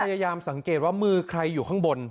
พยายามสังเกตว่ามือใครอยู่ข้างบน